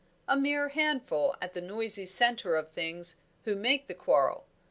A mere handful at the noisy centre of things who make the quarrel.